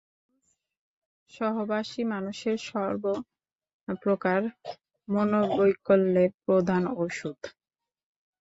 মানুষের সহবাসই মানুষের সর্বপ্রকার মনোবৈকল্যের প্রধান ঔষধ।